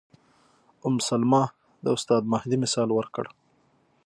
ام سلمې د استاد مهدي مثال ورکړ.